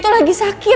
cukup ya rik cukup